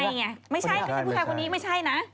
ไม่ใช่ไม่ใช่คุณนี้ไม่ใช่นะ